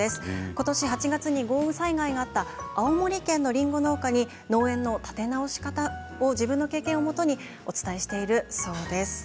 今年８月に豪雨災害があった青森県のりんご農家に立て直し方を自分の経験をもとにお伝えしているそうです。